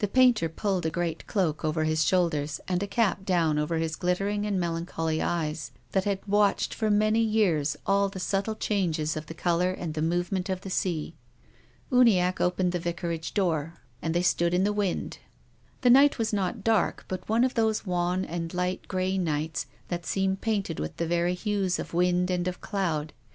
The painter pulled a great cloak over his shoul ders and a cap down over his glittering and melan choly eyes, that had watched for many years all the subtle changes of thccolour and the movement of the sea. Uniacke opened the Vicarage door l6 TONGUES OF CONSCIENCE. and they stood in the wind. The night was not dark, but one of those wan and light grey nights that seem painted with the very hues of wind and of cloud.